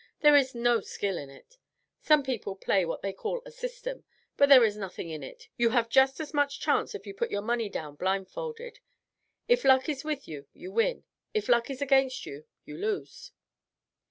There is no skill in it. Some people play on what they call a system, but there is nothing in it; you have just as much chance if you put your money down blindfolded. If luck is with you, you win; if luck is against you, you lose."